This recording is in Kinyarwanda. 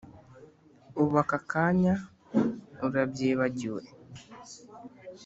ubu aka kanya urabyibagiwe!